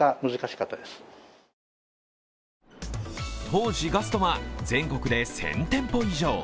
当時、ガストは全国で１０００店舗以上。